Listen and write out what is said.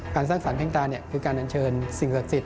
การสร้างสารเพ่งตาเนี่ยคือการดันเชิญสิ่งศักดิ์สิทธิ์